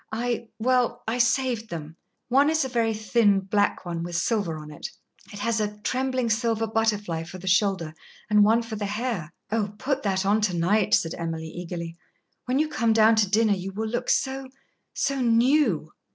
"I well I saved them. One is a very thin black one with silver on it. It has a trembling silver butterfly for the shoulder, and one for the hair." "Oh, put that on to night!" said Emily, eagerly. "When you come down to dinner you will look so so new!